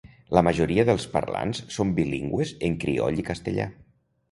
La majoria dels parlants són bilingües en crioll i castellà.